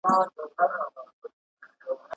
ممکن وروڼه دي د حسد له وجهي تاته ضرر ورسوي.